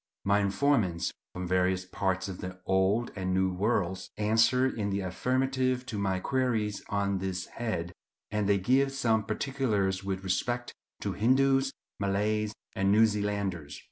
My informants, from various parts of the Old and New Worlds, answer in the affirmative to my queries on this head, and they give some particulars with respect to Hindoos, Malays, and New Zealanders.